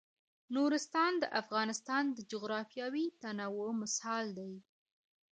نورستان د افغانستان د جغرافیوي تنوع مثال دی.